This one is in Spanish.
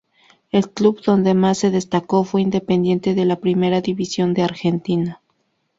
El club donde más se destacó fue Independiente, de la Primera División de Argentina.